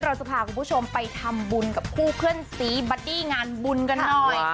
เราจะพาคุณผู้ชมไปทำบุญกับคู่เพื่อนสีบัดดี้งานบุญกันหน่อย